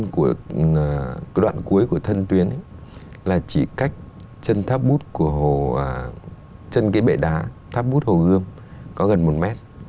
cái đoạn cuối của thân tuyến là chỉ cách chân tháp bút của hồ chân cái bể đá tháp bút hồ gươm có gần một m